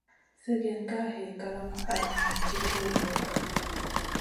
Sègèn ka hiy kalamou ala nam tì tuhu bur kaf.